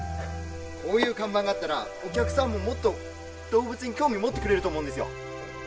こういう看板があったらお客さんももっと動物に興味持ってくれると思うんですよ。